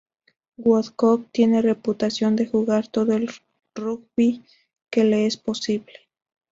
Woodcock tiene reputación de jugar todo el rugby que le es posible.